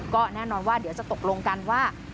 ก็แน่นอนว่าเดี๋ยวจะตกลงกันว่า